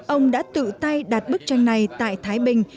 ông đã tự tay đặt bức tranh này tại thái bình